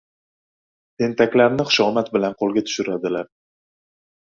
Tentaklarni xushomad bilan qo‘lga tushiradilar.